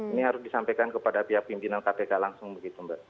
ini harus disampaikan kepada pihak pimpinan kpk langsung begitu mbak